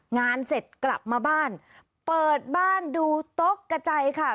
งานเสร็จกลับมาบ้านเปิดบ้านดูตกกระจายค่ะ